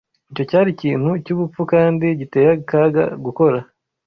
Icyo cyari ikintu cyubupfu kandi giteye akaga gukora.